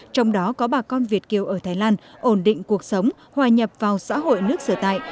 trong đó có bà con việt kiều ở thái lan ổn định cuộc sống hòa nhập vào xã hội nước sửa tại